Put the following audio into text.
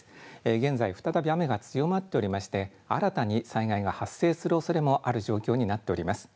現在、再び雨が強まっておりまして新たに災害が発生するおそれもある状況になっております。